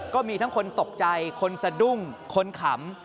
ก็มีทั้งคนตกใจคนสะดุ้งคนขำ